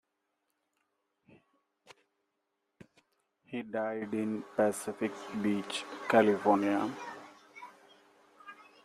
He died in Pacific Beach, California.